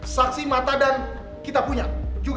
saksi mata dan kita punya